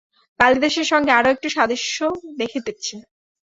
কালিদাসের সঙ্গে আরো একটু সাদৃশ্য দেখিতেছি।